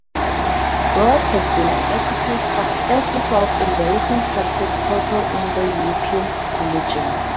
"Broad" has been an epithet of Earth herself in the reconstructed Proto-Indo-European religion.